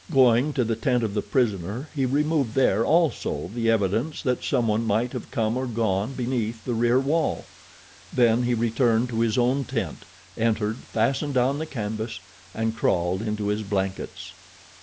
Going to the tent of the prisoner he removed there also the evidence that someone might have come or gone beneath the rear wall. Then he returned to his own tent, entered, fastened down the canvas, and crawled into his blankets.